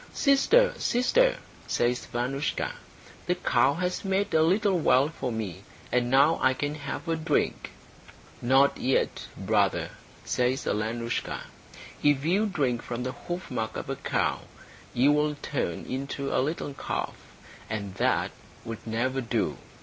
"Sister, sister," says Vanoushka, "the cow has made a little well for me, and now I can have a drink." "Not yet, brother," says Alenoushka. "If you drink from the hoofmark of a cow, you will turn into a little calf, and that would never do.